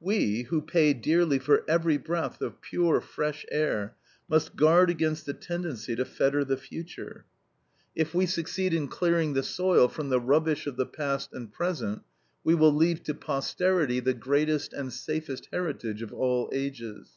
We, who pay dearly for every breath of pure, fresh air, must guard against the tendency to fetter the future. If we succeed in clearing the soil from the rubbish of the past and present, we will leave to posterity the greatest and safest heritage of all ages.